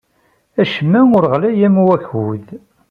Acemma ur ɣlay am wakud.